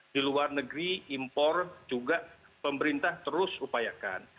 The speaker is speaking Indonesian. di luar negeri impor juga pemerintah terus upayakan